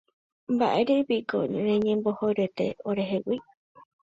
Mba'érepiko reñemomombyryete orehegui.